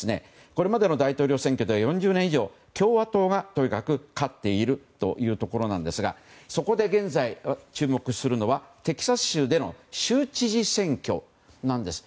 これまでの大統領選挙で４０年以上、共和党が勝っているというところなんですがそこで現在注目するのはテキサス州での州知事選挙です。